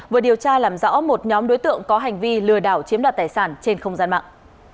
vừa điều tra làm rõ một nhóm đối tượng có hành vi lừa đảo chiếm đoạt tài sản trên không gian mạng